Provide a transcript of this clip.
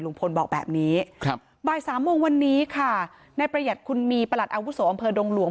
บอกแบบนี้ครับบ่ายสามโมงวันนี้ค่ะในประหยัดคุณมีประหลัดอาวุโสอำเภอดงหลวง